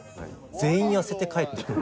全員、痩せて帰ってくる。